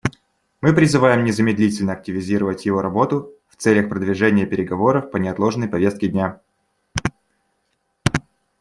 Мы призываем незамедлительно активизировать его работу в целях продвижения переговоров по неотложной повестке дня.